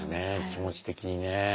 気持ち的にね。